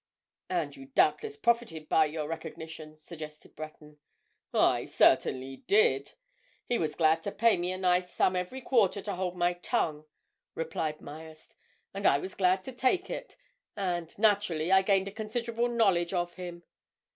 "And you doubtless profited by your recognition," suggested Breton. "I certainly did. He was glad to pay me a nice sum every quarter to hold my tongue," replied Myerst, "and I was glad to take it and, naturally, I gained a considerable knowledge of him.